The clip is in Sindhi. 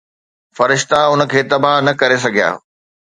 فرشتا ان کي تباهه نه ڪري سگهيا